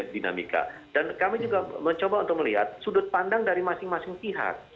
dan kami juga mencoba untuk melihat sudut pandang dari masing masing pihak